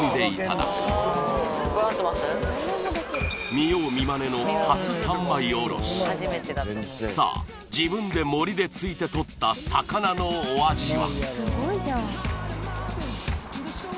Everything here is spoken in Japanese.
見よう見まねの初三枚おろしさあ自分でモリで突いてとった魚のお味は？